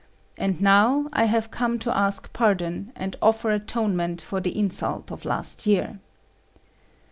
And now I have come to ask pardon and offer atonement for the insult of last year."